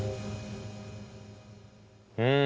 うん。